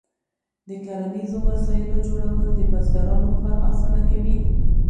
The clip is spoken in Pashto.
د کرنیزو وسایلو جوړول د بزګرانو کار اسانه کوي.